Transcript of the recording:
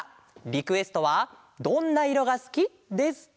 リクエストは「どんな色がすき」です。